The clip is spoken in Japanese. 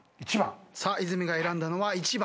さあ泉が選んだのは１番。